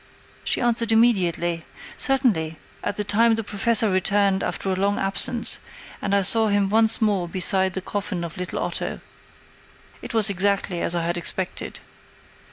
She answered immediately: "Certainly; at that time the Professor returned after a long absence, and I saw him once more beside the coffin of little Otto." It was exactly as I had expected.